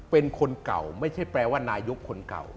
เป็นคนเก่าไม่ใช่แปลว่านายกคนเก่า